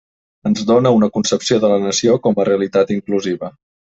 Ens dóna una concepció de la nació com a realitat inclusiva.